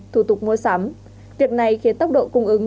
thủ tục mua sắm việc này khiến tốc độ cung ứng